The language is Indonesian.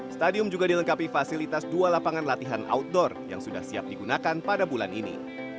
stadium juga dilengkapi fasilitas dua lapangan latihan outdoor yang sudah siap digunakan pada bulan ini